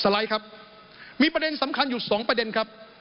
ไลด์ครับมีประเด็นสำคัญอยู่สองประเด็นครับ